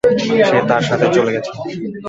সে তার সাথে চলে গেছে।